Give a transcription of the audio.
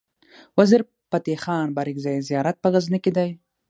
وزیر فتح خان بارګزی زيارت په غزنی کی دی